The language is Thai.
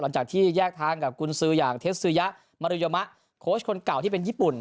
หลังจากที่แยกทางกับกุญซืออย่างเทสซือยะมาริโยมะโค้ชคนเก่าที่เป็นญี่ปุ่น